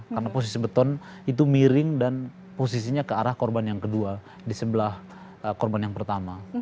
karena posisi beton itu miring dan posisinya ke arah korban yang kedua di sebelah korban yang pertama